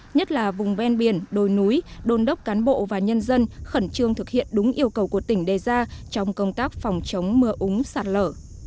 nhất là vùng ven biển đồi núi đôn đốc cán bộ và nhân dân khẩn trương thực hiện đúng yêu cầu của tỉnh đề ra trong công tác phòng chống mưa úng sạt lở